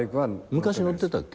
昔乗ってたっけ？